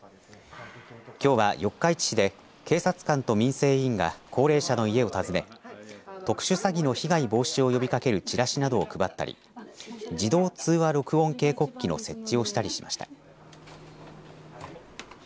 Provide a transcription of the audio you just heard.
きょうは四日市市で警察官と民生委員が高齢者の家を訪ね特殊詐欺の被害防止を呼びかけるチラシなどを配ったり自動通話録音警告機の設置をしたりしました。